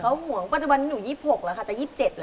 เขาห่วงปัจจุบันนี้หนู๒๖แล้วค่ะจะ๒๗แล้ว